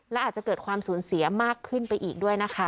และอาจจะเกิดความสูญเสียมากขึ้นไปอีกด้วยนะคะ